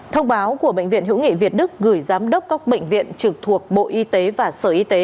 thông báo của bệnh viện hữu nghị việt đức gửi giám đốc các bệnh viện trực thuộc bộ y tế và sở y tế